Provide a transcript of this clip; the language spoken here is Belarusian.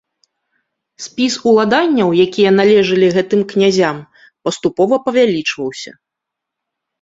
Спіс уладанняў, якія належалі гэтым князям, паступова павялічваўся.